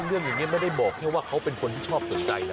เรื่องอย่างนี้ไม่ได้บอกแค่ว่าเขาเป็นคนที่ชอบสนใจนะ